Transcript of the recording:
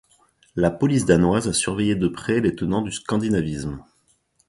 La police danoise a surveillé de près les tenants du Scandinavisme.